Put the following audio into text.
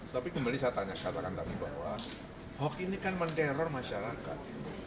tapi kembali saya tanya saya katakan tadi bahwa hoax ini kan men teror masyarakat